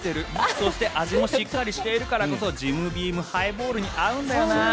そして味もしっかりしているからこそジムビームハイボールに合うんだよな。